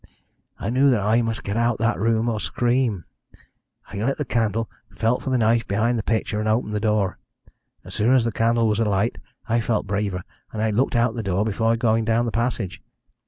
I knew that I must get out of the room or scream. I lit the candle, felt for the knife behind the picture, and opened the door. As soon as the candle was alight I felt braver, and I looked out of the door before going into the passage.